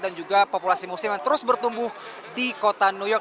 dan juga populasi musim yang terus bertumbuh di kota new york